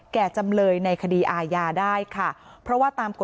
จำเลยในคดีอาญาได้ค่ะเพราะว่าตามกฎ